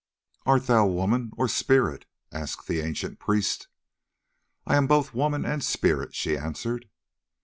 "Art thou woman, or spirit?" asked the ancient priest. "I am both woman and spirit," she answered.